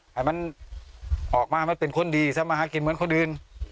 ให้มันออกมามันเป็นคนดีทำมาหากินเหมือนคนอื่น